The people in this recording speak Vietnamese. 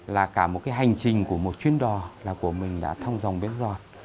là cả một cái hành trình của một chuyên đò là của mình đã thong rồng biến giọt